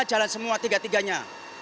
jalan semua tiga tiganya